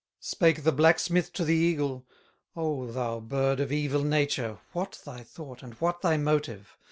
Spake the blacksmith to the eagle: "O thou bird of evil nature, What thy thought and what thy motive?